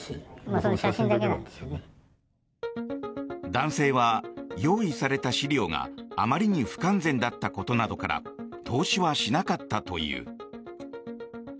男性は用意された資料があまりに不完全だったことなどから投資はしなかったという。